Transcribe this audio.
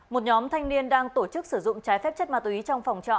một nhóm thanh niên đang tổ chức sử dụng trái phép chất ma túy trong phòng trọ